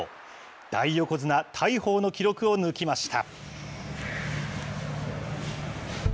大横綱・大鵬の記録を抜きました。